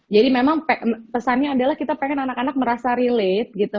jadi memang pesannya adalah kita pengen anak anak merasa relate gitu